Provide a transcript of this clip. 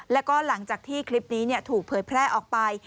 แล้วก็หลังจากที่คลิปนี้ถูกเผยแพร่ออกไป